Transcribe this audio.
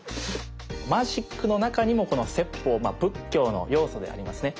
マジックの中にもこの説法まあ仏教の要素でありますね